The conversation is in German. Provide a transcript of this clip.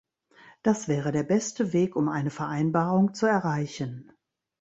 Das wäre der beste Weg, um eine Vereinbarung zu erreichen.